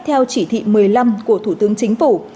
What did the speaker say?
theo chỉ thị một mươi năm của thủ tướng chính phủ